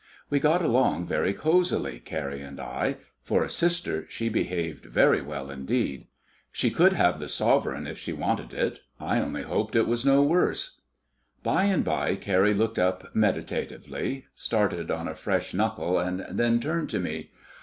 We got along very cosily, Carrie and I for a sister, she behaved very well indeed. She could have the sovereign if she wanted it; I only hoped it was no worse. By and by Carrie looked up meditatively, started on a fresh knuckle, and then turned to me.